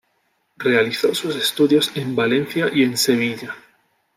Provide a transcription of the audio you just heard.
Realizó sus estudios en Valencia y en Sevilla.